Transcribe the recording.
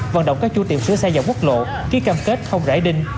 vận động các chủ tiệm sửa xe dòng quốc lộ ký cam kết không rải đinh